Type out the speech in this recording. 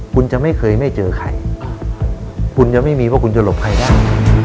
คุณจะไม่เคยไม่เจอใครคุณจะไม่มีว่าคุณจะหลบใครได้